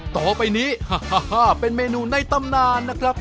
ต่อไปนี้เป็นเมนูในตำนานนะครับ